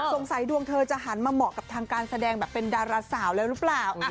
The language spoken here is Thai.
ดวงเธอจะหันมาเหมาะกับทางการแสดงแบบเป็นดาราสาวแล้วหรือเปล่า